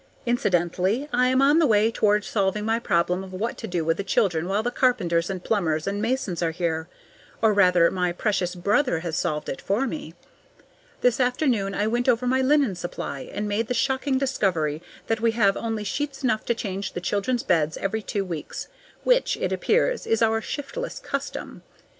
Incidentally, I am on the way toward solving my problem of what to do with the children while the carpenters and plumbers and masons are here. Or, rather, my precious brother has solved it for me. This afternoon I went over my linen supply, and made the shocking discovery that we have only sheets enough to change the children's beds every two weeks, which, it appears, is our shiftless custom.